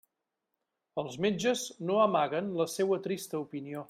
Els metges no amagaven la seua trista opinió.